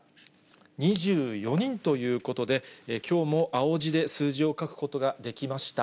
２４人ということで、きょうも青字で数字を書くことができました。